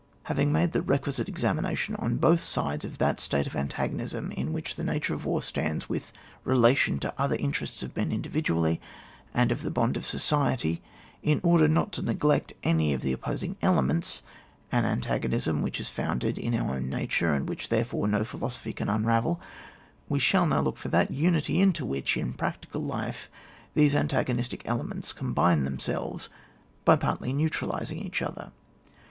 Havhto made the requisite examination on both sides of that state of antagonism in which the nature of war stands with relation to other interests of men indi vidually and of the bond of society, in order not to neglect any of the oppos ing elements, — an antagonism which is founded in our own nature, and which, therefore, no philosophy can unravel, — we shall now look for that unity into which, in practical life, these antago nistic elements combine themselves by partly neutralising each other.